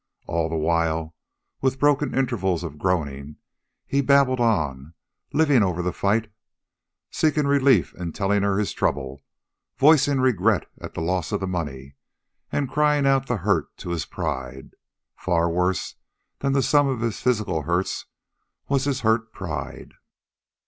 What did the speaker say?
And all the while, with broken intervals of groaning, he babbled on, living over the fight, seeking relief in telling her his trouble, voicing regret at loss of the money, and crying out the hurt to his pride. Far worse than the sum of his physical hurts was his hurt pride.